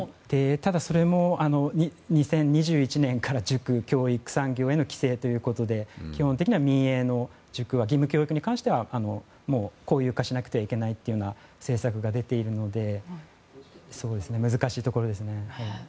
ただ、それも２０２１年から塾教育産業への規制ということで基本的には民営の塾は義務教育に関しては公有化しなくてはいけないという政策が出ているので難しいところですね。